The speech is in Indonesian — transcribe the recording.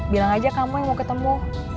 bilang aja kamu yang mau ketemu